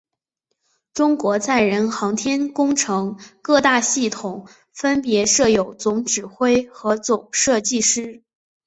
中国载人航天工程各大系统分别设有总指挥和总设计师。